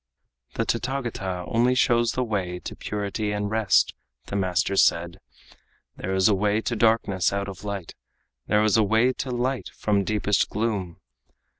"The Tathagata only shows the way To purity and rest," the master said. "There is a way to darkness out of light, There is a way to light from deepest gloom.